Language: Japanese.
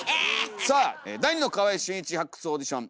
さあ「第二の川合俊一発掘オーディション」